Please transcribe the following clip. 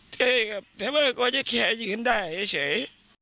ใช่ครับแต่ว่าก็แค่ยืนได้เฉย